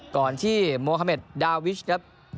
ก่อนที่โมฮาเมดดาวิชครับ